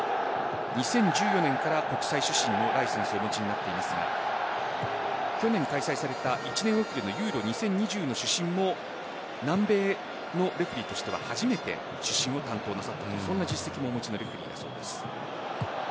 ２０１４年から国際主審のライセンスをお持ちになっていますが去年開催された１年遅れのＥＵＲＯ２０２２の主審も南米のレフェリーとしては初めて主審を担当なさったそんな実戦をお持ちのレフェリーです。